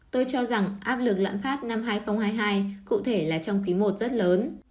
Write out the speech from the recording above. tôi cho rằng áp lực lãn phát năm hai nghìn hai mươi hai cụ thể là trong ký một rất lớn